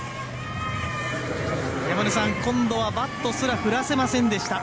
今度はバットすら振らせませんでした。